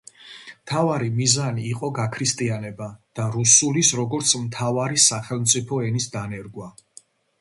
მთავარი მიზანი იყო გაქრისტიანება და რუსულის, როგორც მთავარი სახელმწიფო ენის დანერგვა.